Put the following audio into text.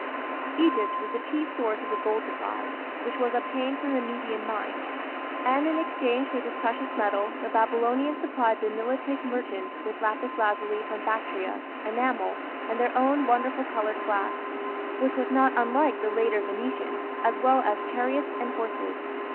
Egypt was the chief source of the gold supply, which was obtained from the Nubian mines; and in exchange for this precious metal the Babylonians supplied the Nilotic merchants with lapis lazuli from Bactria, enamel, and their own wonderful coloured glass, which was not unlike the later Venetian, as well as chariots and horses.